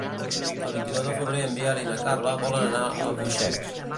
El vint-i-nou de febrer en Biel i na Carla volen anar a Albuixec.